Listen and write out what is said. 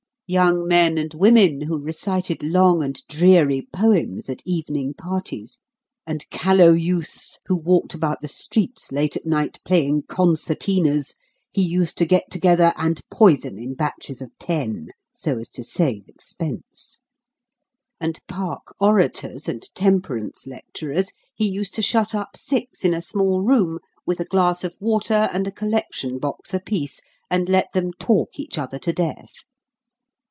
Young men and women who recited long and dreary poems at evening parties, and callow youths who walked about the streets late at night, playing concertinas, he used to get together and poison in batches of ten, so as to save expense; and park orators and temperance lecturers he used to shut up six in a small room with a glass of water and a collection box apiece, and let them talk each other to death.